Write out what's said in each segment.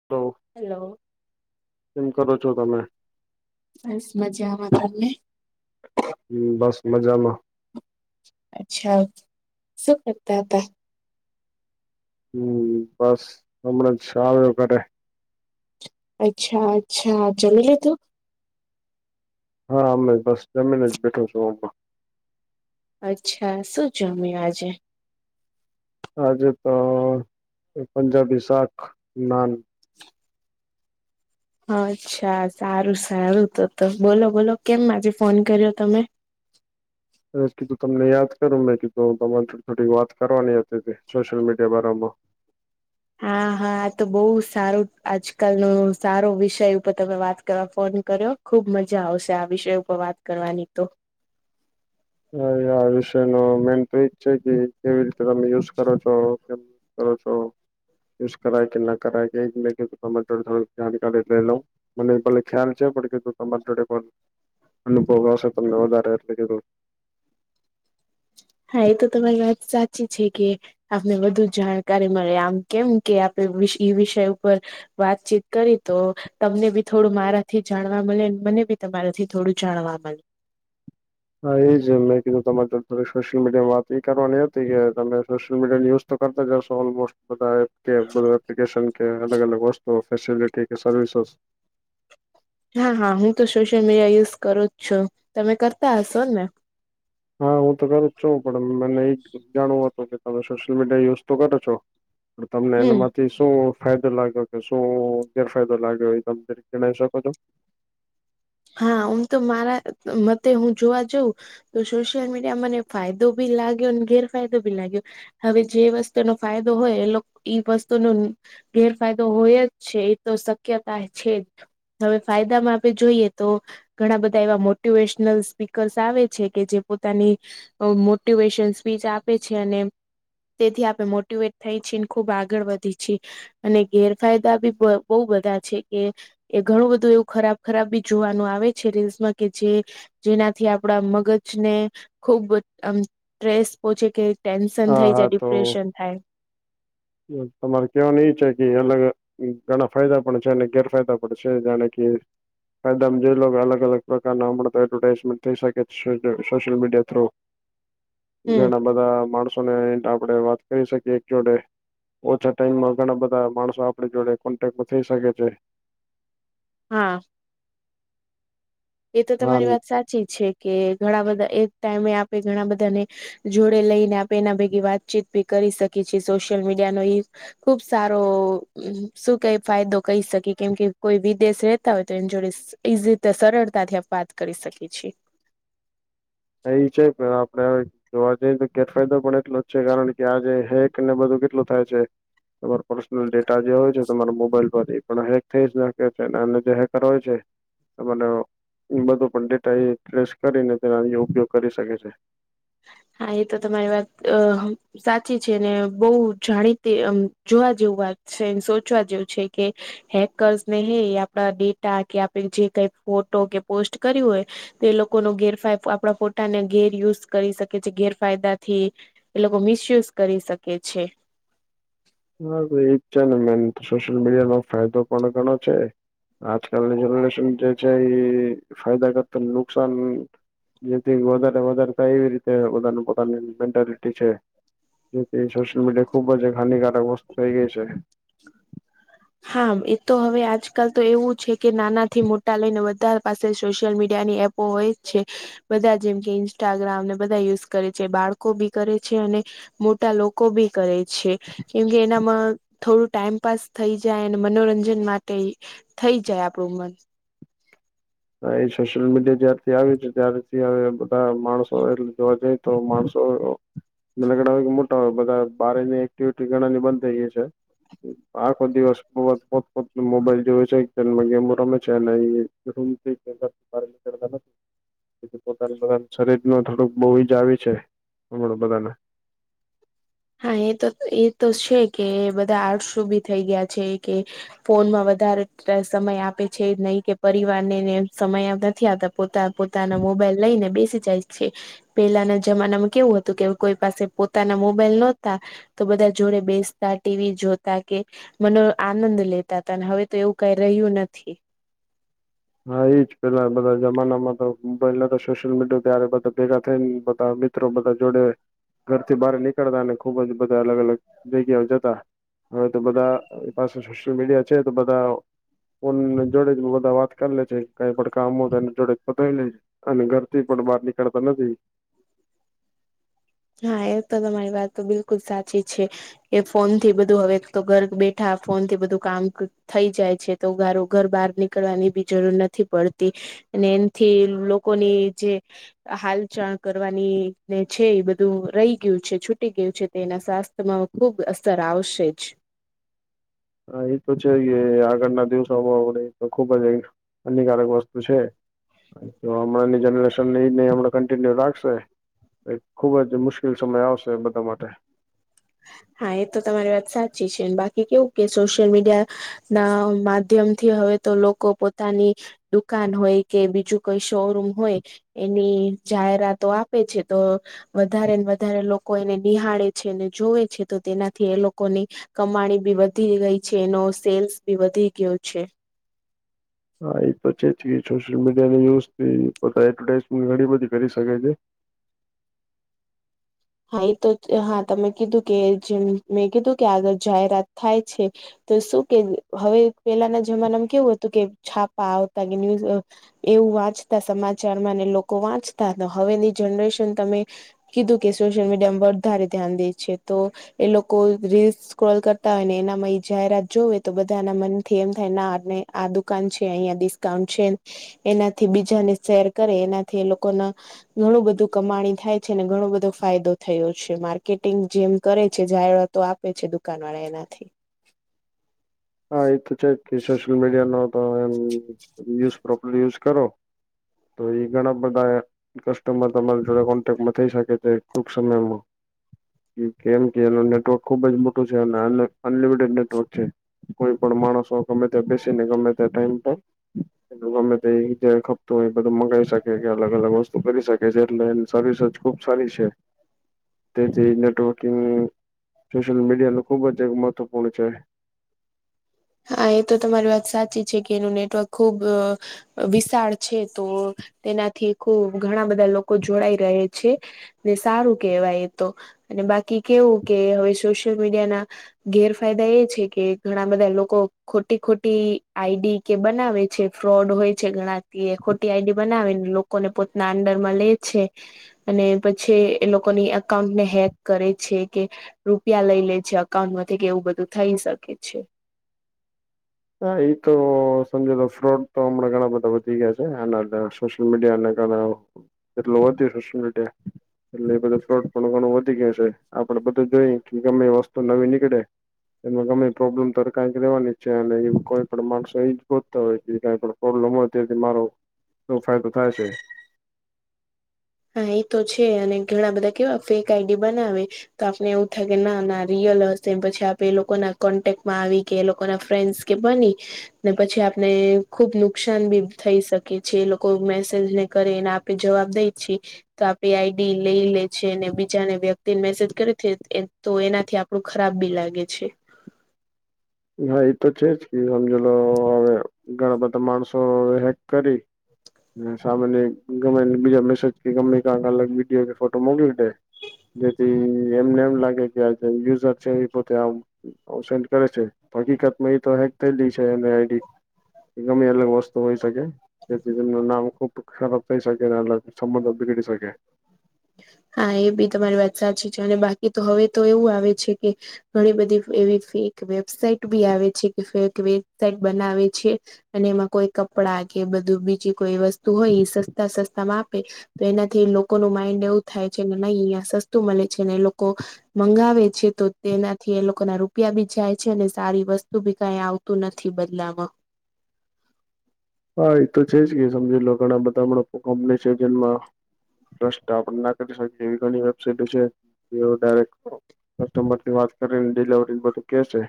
[unintelligible] Hello કરો છો તમે? બસ મજામાં. તમે? હમ્મ બસ મજામાં. અચ્છા, શું કરતાં હતાં? હમ્મ, બસ હમણા જ સાવ્યો ઘડે. અચ્છા, અચ્છા, જમી લીધું? અમના બસ જમી ને જ બેઠો છું. અચ્છા શું જમ્યું આજે? આજે તો, પંજાબી શાખ નાન. અચ્છા, સારું સારું, તો તો બોલો બોલો કેમ આજે ફોન કર્યો તમે? મે કીધું તમને યાદ કરું મેં કીધું તમારે થોડી વાત કરવાની હતી તે સોશિયલ મીડિયા વારા માં. હા હા તો બહુ સારું આજકાલ નો સારો વિષય ઉપર તમે વાત કરવા ફોન કર્યો. ખુબ મજા આવશે આ વિષય ઉપર વાત કરવાની તો. હા, આ વિષય નો મેન તો એ છે. કે કેવી રીતે તમે યુઝ કરો છો. કેમ કરો છો? યુઝ કરાય કે ના કરાય તેની [inaudible] જાણકારી લઈ લવ મને ભલે ખ્યાલ છે. પણ કીધું તમારી જોડે પણ અનુભવ આવશે તમને વધારે એટલે કીધું. હા, એ તો તમારી વાત સાચી છે કે, આપને વધુ જાણકારી મળે આમ કેમ કે આપે એ વીસ ઈ વિષય ઉપર વાતચીત કરી તો. તમને બી થોડું મારાથી જાણવા મળે, અને મને બી તમારાથી થોડું જાણવા મળે. હા, એ જ મેં કીધું તમારી જોડે થોડી સોશિયલ મીડિયામાં વાત એ કરવાની હતી. કે તમે સોશિયલ મીડિયા ની યુઝ તો કરતા હસો ઓલમોસ્ટ બધા એ કે બધા એપ્લિકેશન કે અલગ અલગ વસ્તુઓ ફેસલિટી કે સર્વિસેસ હા હા હું તો સોશિયલ મીડિયા યુઝ કરું જ છું. તમે કરતા હશો ને? હા હું તો કરું જ છું. પણ મને એ જ જાણવું હતું કે તમે સોશિયલ મીડિયા યુઝ તો કરો છો. તમને હમ એનામાંથી શું. ફાયદો લાગ્યો કે શું ગેરફાયદો લાગ્યો એ તમે ત જણાવી શકો છો? હા, હુ તો મારા મતે હું જોવા જઉં તો સોશિયલ મીડિયા મને ફાયદો બી લાગ્યો અને ગેરફાયદો બી લાગ્યો. હવે જે વસ્તુનો ફાયદો હોય એ લોક ઈ વસ્તુ નું ગેરફાયદો હોય જ છે. એ તો શક્યતા છે જ હવે ફાયદામાં આપે જોઈએ તો ઘણા બધા એવા મોટિવેશનલ સ્પીકર્સ આવે છે કે જે પોતાની મોટિવેશન સ્પીચ આપે છે, અને તેથી આપણે મોટવેટ થાઈ છીએ ને ખુબ આગળ વધી છી અને ગેરફાયદા બી બહુ બધા છે, કે એ ઘણું બધું એવું ખરાબ ખરાબ બી જોવાનું આવે છે રીલ્સમાં કે જે જેનાથી આપડા મગજને ખુબ અમ ટ્રેસ પોહોંચે કે ટેન્શન હા થઈ હા જાય, તો ડિપ્રેશન થાય તમારે કવાનું એ છે કે, અલગ અ ઈ ઘણા ફાયદા પણ છે, અને ગેરફાયદા પણ છે, જાણે કે ફાયદા મ જોઈ લો કે અલગ અલગ પ્રકાર ના એડવર્ટાઈઝમેન્ટ થઈ શકે છે કે સોશિયલ મીડિયા થ્રુ હમ ઘણા બધા માણસોને આપડે વાત કરી શકીએ એક જોડે ઓછા ટાઈમમાં ઘણા બધા માણસો આપડી જોડે કોન્ટેક્ટમાં થઈ શકે છે હા એ તો હા તમારી વાત સાચી છે કે, ઘણા બધા એક ટાઈમે આપે ઘણા બધાને જોડે લઈને આપે એના ભેગી વાતચીત ભી કરી શકીએ છીએ સોશિયલ મીડિયાનો ઈ ખુબ સારો શું કઈ ફાયદો શકીએ કેમ કે કોઈ વિદેશ રેતા હોય તો એની જોડે સ ઇસીતા સરળતાથી આપ વાત કરી શકીએ છીએ એઈ છે પણ આપડે હવે તો આજે તો ગેરફાયદો પણ એટલો જ છે કારણ કે આજે હેક ને બધું કેટલું થાય છે તમારો પર્સનલ ડેટા જે હોય છે, તમારા મોબાઈલ માંથી પણ હેગ તેજ લડકે છે અને તે હેગ કરાવે છે એ મન, ઈ બધું પંડિતાઈ ટ્રેસ કરીને, તેનો ઉપયોગ કરી શકે છે હા, ઈ તો તમારી વાત અ સાચી છે, ને બહુ જાણીતી, એમ જોવા જેવું છે, સોચવા જેવું છે કે હેકર્સને એ હે, એ આપણા ડેટા કે આપણે જે કઈ ફોટો કે પોસ્ટ કર્યું હોય તો એ લોકોનો ગેરફાય- આપણા ફોટાને ગેર યુઝ કરી શકે છે, ગેરફાયદાથી એ લોકો મિસયુઝ કરી શકે છે હા તો એજ છે ને મેઈન સોશિયલ મીડિયા નો ફાયદો પણ ઘણો છે આજકાલની જેનરેશન જે છે, ઈ ફાયદા કરતા નુકસાન જેથી વધારે વધારે થાય એવી રીતે બધાની પોતાની મેન્ટાલિટી છે જેથી સોશિયલ મીડિયા ખુબ જ એક હાનિકારક વસ્તુ થઈ ગઈ છે હામ એ તો હવે આજકાલ તો એવું છે કે, નાના થી મોટા લઈને બધા પાસે સોશિયલ મીડિયાની એપ હોય જ છે બધા જેમ કે, ઇન્સ્ટાગ્રામ ને બધા યુઝ કરે છે બાળકો બી કરે છે અને મોટા લોકો બી કરે છે. કેમકે, એનામાં થોડું ટાઈમપાસ થઈ જાય અને મનોરંજન માટે ઈ થઈ જાય આપણું મન હા એ સોશિયલ મીડિયા જ્યારથી આવ્યુ છે, ત્યારથી હવે આ બધા માણસોએ એટલે જોવા જઈ તો માણસો નલગડા હોય ઉમટા હોય બધા, બારેની એક્ટિવિટી ઘણાની બંધ થઈ ગઈ છે આખો દિવસ પોત પોતપોત મોબાઈલ જોવે છે, ઈતરમાં ગેમો રમે છે અને ઈ [unintelligible] પોતાનું પોતાનું શરીરનું થોડુંક બહુ જ આવી જાય છે, હમણાં બધાને હા એ તો, એ તો છે કે, બધા આડશુંભી થઈ ગીયા છે ઈ કે ફોનમાં વધારે સમય આપે છે, નહી કે પરિવારને નેમ સમયે નથી આપતા પોતા, પોતાના લઈને બેસી જાય છે પેલાના જમાનામાં કેવું હતું કે, કોઈ પાસે પોતાના મોબાઈલ નોતા તો બધા જોડે બેસતા, ટી વી જોતા કે મનો આનંદ લેતા હતા. અને હવે તો એવું કંઈ રહ્યું નથી. હા એજ. પેલા બધા જમાનામાં તો પેલા તો સોશિયલ મીડિયા ત્યારે બધા ભેગા થઈ ન બધા બી મિત્રો બધા જોડે ઘરથી બહાર નીકળતા અને ખુબ જ બધા અલગ-અલગ જગ્યાઓ જતા. હવે તો, બધા એ પાસે સોશલ મીડિયા છે તો બધા ફોનને જોડે બધા વાત કર લે છે. કઈ પણ કામ હો તે એને જોડે જ પતાયી લે છે. અને ઘરથી પણ બહાર નીકળતા નથી. હા, એ તો તમારી વાત તો બિલકુલ સાચી છે. એ ફોન થી બધું હવે તો, ઘર બેઠા ફોન થી બધું કામ ક થઈ જાય છે. તો ઘર ઘરો બહાર નીકળવાની બી જરૂર નથી પડતી. અને એનથી લોકોની જે હાલચા કરવાની ને છે એ બધ તો રહી ગીયું છે, છૂટી ગીયું છે. તો તેના સ્વાસ્થ્યમાં ખુબ અસર આવશે જ. હા ઈ તો છે કે, આગળના દિવસોમાં આવડે તો ખુબ જ અઈ હાનિકારક વસ્તુ છે. જો હમણાંની જનરેશન ની ઈને હમણા કન્ટિન્યુ રાખશે ત એક ખુબ જ મુશ્કિલ સમય આવશે બધા માટે. હા એ તો તમારી વાત સાચી છે. બાકી કેવું કે, સોશિયલ મીડિયા ના માધ્યમથી હવે તો લોકો પોતાની દુકાન હોય કે બીજું કોઈ શોરૂમ હોય એની જાહેરાતો આપે છે તો વધારે ને વધારે લોકો એને નિહાળે છેને જોવે છે. તો તેનાથી એ લોકોની કમાણી બી વધી ગઈ છે એનો સેલ્સ બી વધી ગયો છે. હા, એ તો છે જ કે સોશિયલ મીડિયાની યુઝ પો એડવર્ટાઈઝમેન્ટ ઘણી બધી કરી શકે છે. હા એ તો હા તમે કીધું કે જેમ મેં કીધું કે આગળ જાહેરાત થાય છે તો શું કે હવે પેલાના જમાનામાં કેવું હતું કે છાપા આવતા કે ન્યૂઝ અહ એવું વાંચતા સમાચારમાં ને લોકો વાંચતા હવેની જનરેશન તમે કીધું કે સોશિયલ મીડિયામાં વધારે ધ્યાન દે છે તો એ લોકો રીલ્સ સ્ક્રોલ કરતા હોય ને એનામાં જાહેરાત જોવે તો બધાના મનથી એમ થાય ના આ દુકાન છે અહીંયા દીશ કાઉન્ટ છે એનાથી બીજાને શેર કરે એનાથી એ લોકોના ઘણું બધું કમાણી થાય છેને ઘણું બધું ફાયદો થયો છે માર્કેટિંગ જેમ કરે છે જાહેરાતો આપે છે દુકાન વાળા એનાથી. હા, એ તો છે જ કે સોશિયલ મીડિયા નો તો એમ યુઝ પ્રોપરલી યુઝ કરો તો એ ઘણા બધા કસ્ટમર તમારી જોડે કોન્ટેક્ટમાં થઈ શકે છે ટૂંક સમયમાં. કી કેમ કે એનો નેટવર્ક ખુબ જ મોટું છે અને અનલિમિટેડ નેટવર્ક છે. કોઈ પણ માણસ ગમે ત્યાં બેસી ને ગમે ત્યા ટાઈમ પર ગમે તે જે ખપત હોય એ બધું મગાવી શકે કે અલગ અલગ વસ્તુ કરી શકે છે એટલે એ ની સર્વિસ અજ ખુબ સારી છે. તેથી નેટવર્કિંગ સોશિયલ મીડિયા નો ખુબ જ એક મહત્વપૂર્ણ છે. હા એ તો તમારી વાત સાચી છે કે એનું નેટવર્ક ખુબ અહ અહ વિશાળ છે તો તેનાથી ખુબ ઘણા બધા લોકો જોડાઈ રહે છે. ને સારું કેહેવાય એ તો. અને બાકી કેવું કે હવે સોશિયલ મીડિયા ના ગેરફાયદા એ છે કે ઘણા બધા લો કો ખોટી ખોટી આઈ ડી કે બનાવે છે ફ્રોડ હોય છે ઘણા તે ખોટી આઈ ડી બનાવીને લોકોને પોતના અંડર માં લે છે. અને પછી એ લોકોની અકાઉન્ટને હેક કરે છે કે રૂપિયા લઈ લે છે અકાઉન્ટ માંથી કે એવું બધું થઈ શકે છે. હા એ તો સમજો તો ફ્રોડ તો હમણાં ઘણા બધા વધી ગયા છે આના [unintelligible] સોશિયલ મીડિયાને ક [unintelligible] એટલું વધી સોશિયલ મીડિયા એટલે એ ફ્રોડ ઘણું વધી ગય છે. આપડે બધું જોઈ કે ગમે વસ્તુ નવી નીકળે એમાં ગમે ઈ પ્રોબ્લેમ તો કંઈક રેવાની જ છે. એટળે ઇમ કોઈ પણ માણસો એ જ ગોતતા હોય કે કઈ પણ પ્રોબ્લેમ હોય તેથી મારો તો ફાયદો થાય છે. હા એ છે અને ગણા બધા કેવા ફેક આઈડી બનાવે તો આપને એવું થાય કે ના ના રિયલ હસે પછી આપે એ લોકોના કોન્ટેક્ટમાં આવી કે એ લોકો ના ફ્રેન્ડસ કે બની ને પછી આપને ખુબ નુકસાન ભી થઈ શકે છે એ લોકો મેસેજ ને કરે એના બી જવાબ દઈ જ છી. તો આપી આઈડી લઈ લે છે ને બીજાને વ્યક્તિને મેસેજ કરે છે તો એનાથી આપ ડું ખરાબ બી લાગે છે. હા એતો છે જ કે હમજી લો હવે ઘણા બધા માણસો હ હેક કરી અને સામાન્ય ગમે ઈ બીજા મેસેજ કે ગમે કાક અલગ વિડીયો કે ફોટો મોકલી દે. જેથી એમને એમ લાગે કે આ યુઝર છે એ પોતે સેન્ડ કરે છે. હકીકત માં એતો હેક થયેલી છે એને આઈડી ગમે અલગ વસ્તુ હોય શકે. જેથી તેમનું નામ ખુબ ખરાબ થઈ શકે સંબંધો બીગડી શકે. હા એ બી તમારી વાત સાચી છે અને બાકી તો હવે તો એવું આવે છે કે ઘણી બધી એવી ફેંક વેબસાઇટ બી આવે છે કે ફેંક વેબસાઇટ બનાવે છે. અને એમાં કોઈ કપડાં કે બધું બીજી કોઈ વસ્તુ હોય ઈ સસ્તા સસ્તામાં આપે તો એનાથી લોકોનું માઇન્ડ એવું થાય છે કે નહી અહીં સસ્તું મળે છે ને એ લોકો મંગાવે છે તો તેનાથી એ લોકોના રૂપિયા બી જાય છે અને સારી વસ્તુ બી કઈ આવ તું નથી બદલામાં. હા એ તો છે જ કે સમજીલો ઘણા બધા હમણાં કંપની છે જેનમાં ટ્રસ્ટ આપડે ના કરી શકીએ એવી ઘણી વેબસાઇટો છે જેઓ ડાયરેક કસ્ટમર થી વાત કરીને ડિલવરી બધું કેશે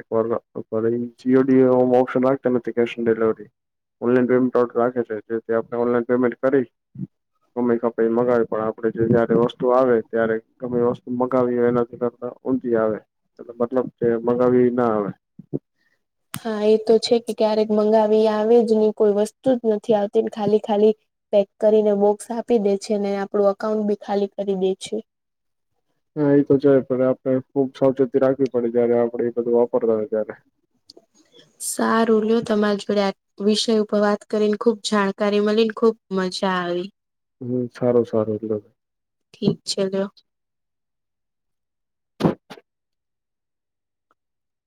એકવારના [unintelligible] જીઓડી ઓપ્શન રાખે cash on delivery online payment order રાખે છે જેથી આપણે ઓનલાઈન પેમેન્ટ કરી ગમે કપાઈ મગાવી પણ આપડે જે જયારે વસ્તુ આવે ત્યારે ગમે વસ્તુ મગાવી હોય એના કરતા ઊંધી આવે એટલે મતલબ છે મગાવીએ ના આવે. હા એ તો છે કે ક્યારેક મંગાવી આવે જ નહી કોઈ વસ્તુ જ નથી આવતી ખાલી ખાલી પેક કરીને બોક્સ આપી દે છે અને આપડું અકાઉન્ટ બી ખાલી કરી દે છે. હા એ તો જાય પણ આપણે ખુબ સાવચેતી રાખવી પડે જ્યારે આપડે એ બધું વાપરતા હોય ત્યારે. સારું લ્યો તમાર જોડે આ વિષય ઉપર વાત કરીને ખુબ જાણકારી મલીન ખુબ મજા આવી. હમ્મ સારું સારું લો ઠીક છે લ્યો.